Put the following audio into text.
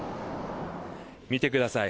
見てください。